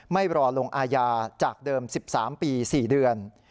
ไม่รอลงอาญาจากเดิม๑๓ปี๔เดือน